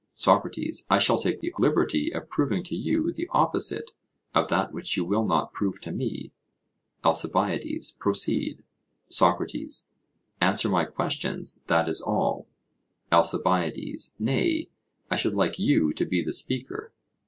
SOCRATES: I shall take the liberty of proving to you the opposite of that which you will not prove to me. ALCIBIADES: Proceed. SOCRATES: Answer my questions that is all. ALCIBIADES: Nay, I should like you to be the speaker.